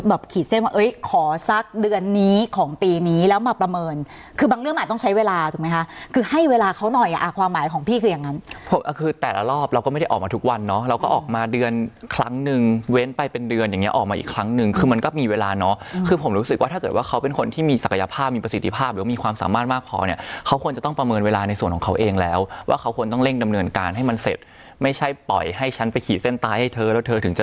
ให้เป็นเดือนอย่างนี้ออกมาอีกครั้งนึงคือมันก็มีเวลาเนาะคือผมรู้สึกว่าถ้าเกิดว่าเขาเป็นคนที่มีศักยภาพมีประสิทธิภาพหรือมีความสามารถมากพอเนี่ยเขาควรจะต้องประเมินเวลาในส่วนของเขาเองแล้วว่าเขาควรต้องเร่งดำเนินการให้มันเสร็จไม่ใช่ปล่อยให้ฉันไปขี่เส้นตายให้เธอแล้วเธอถึงจะ